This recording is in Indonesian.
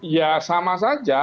ya sama saja